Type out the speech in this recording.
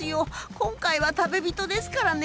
今回は食べ人ですからね。